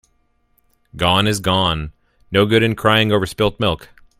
Gone is gone. No good in crying over spilt milk.